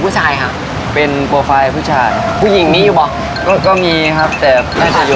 ปากแดงปากผู้หญิงปากแดง